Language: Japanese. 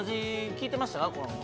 聴いてましたか？